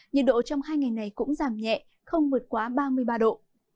nhiệt độ trong hai ngày này cũng giảm nhẹ không vượt quá ba mươi ba độ